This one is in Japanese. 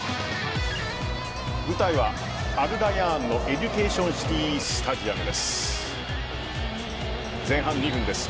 舞台はアルラヤーンのエデュケーションシティースタジアムです。